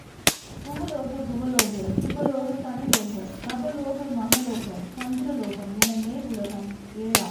பூலோக, புவலோக, சுவலோக, சனலோக, தபலோக, மகலோக, சந்திரலோகம் என மேல் உலகம் ஏழாம்!